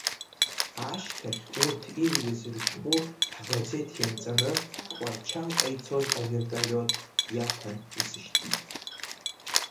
Ашьҭахь урҭ ирҩыз рышәҟәы ҳгазеҭ ианҵаны Тҟәарчалҟа ицоз аверталиот иаҭан исышьҭит.